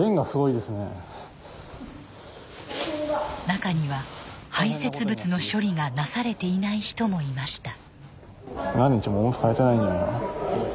中には排せつ物の処理がなされていない人もいました。